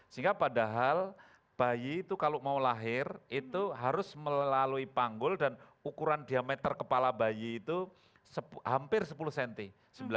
sehingga padahal bayi itu kalau mau lahir itu harus melalui panggul dan ukuran diameter kepala bayi itu hampir sepuluh cm